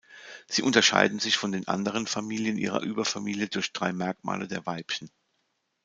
Sie unterscheiden sich von den anderen Familien ihrer Überfamilie durch drei Merkmale der Weibchen.